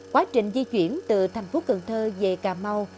quá trình di chuyển từ thành phố cần thơ về cà mau